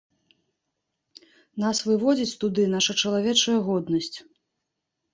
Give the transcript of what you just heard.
Нас выводзіць туды наша чалавечая годнасць.